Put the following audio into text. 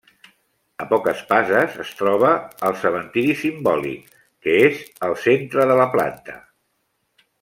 A poques passes es troba el cementiri simbòlic, que és el centre de la planta.